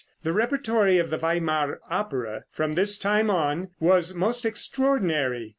The repertory of the Weimar opera, from this time on, was most extraordinary.